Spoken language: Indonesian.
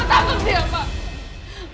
kau takut dia pak